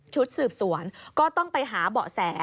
ชุดสืบสวนก็ต้องไปหาเบาะแส